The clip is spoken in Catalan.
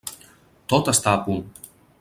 Tot està a punt.